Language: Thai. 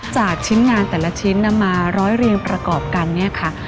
จากชิ้นงานแต่ละชิ้นนำมาร้อยเรียงประกอบกันเนี่ยค่ะ